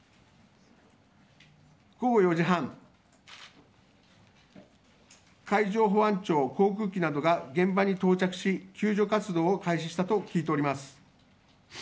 午後４時半、海上保安庁航空機などが現場に到着し救助活動を開始したと聞いております。